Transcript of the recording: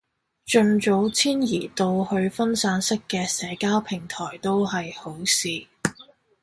盡早遷移到去分散式嘅社交平台都係好事